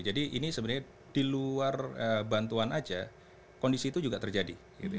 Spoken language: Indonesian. jadi ini sebenarnya di luar bantuan aja kondisi itu juga terjadi